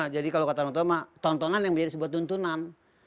kalau kata orang tua tontonan yang menjadi sebuah tuntunan